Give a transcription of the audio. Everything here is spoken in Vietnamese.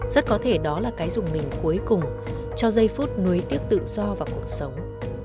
rất có thể đó là cái dùng mình cuối cùng cho giây phút nối tiếp tự do và cuộc sống